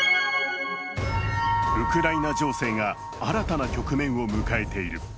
ウクライナ情勢が新たな局面を迎えている。